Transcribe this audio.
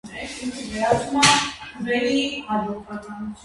Ժամանակի ընթացքում այն խարխլվեց, թափվեց սվաղը։